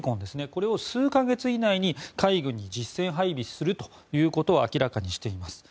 これを数か月以内に海軍に実戦配備するということを明らかにしています。